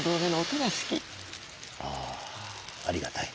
あありがたい。